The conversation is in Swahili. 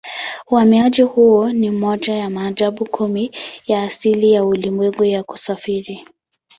Uhamiaji huo ni moja ya maajabu kumi ya asili ya ulimwengu ya kusafiri.